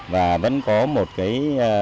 và vẫn có một cái